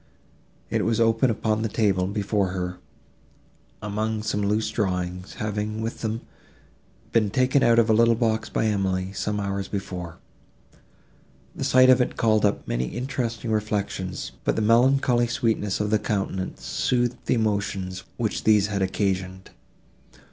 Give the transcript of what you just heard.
It was open upon the table, before her, among some loose drawings, having, with them, been taken out of a little box by Emily, some hours before. The sight of it called up many interesting reflections, but the melancholy sweetness of the countenance soothed the emotions, which these had occasioned.